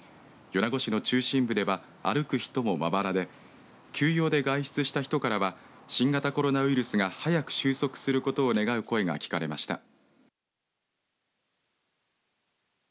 米子市の中心部では歩く人もまばらで急用で外出した人からは新型コロナウイルスが早く収束することを願う声が聞かれました。